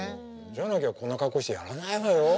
じゃなきゃこんな格好してやらないわよ。